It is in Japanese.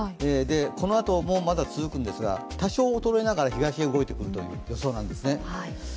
このあともまだ続くんですが多少、衰えながら東に動いていくという予想なんですね。